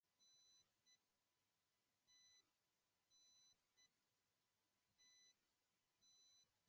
Además se comprometieron a hacer promoción de la muestra internacional durante sus viajes oficiales.